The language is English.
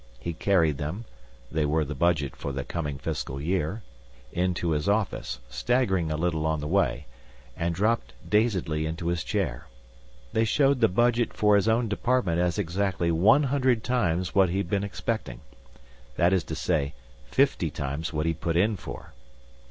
He carried them (they were the budget for the coming fiscal year) into his office, staggering a little on the way, and dropped dazedly into his chair. They showed the budget for his own department as exactly one hundred times what he'd been expecting. That is to say, fifty times what he'd put in for.